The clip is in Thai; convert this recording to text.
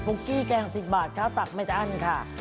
กี้แกง๑๐บาทข้าวตักไม่อั้นค่ะ